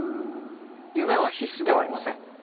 夢は必須ではありません。